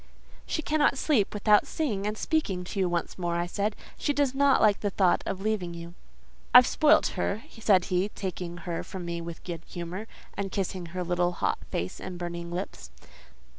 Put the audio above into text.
"She cannot sleep without seeing and speaking to you once more," I said. "She does not like the thought of leaving you." "I've spoilt her," said he, taking her from me with good humour, and kissing her little hot face and burning lips.